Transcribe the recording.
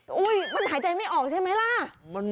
อุ๊ยมันหายใจไม่ออกใช่ไหมล่ะ